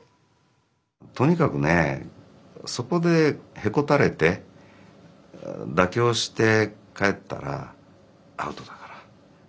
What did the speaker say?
とにかくねそこでへこたれて妥協して帰ったらアウトだから。